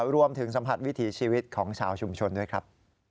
รวมถึงสัมผัสวิถีชีวิตของชาวชุมชนด้วยครับ